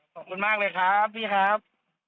ขอบคุณมากเลยครับพี่ครับ